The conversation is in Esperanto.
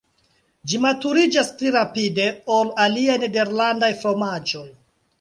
Ĝi maturiĝas pli rapide ol aliaj nederlandaj fromaĝoj.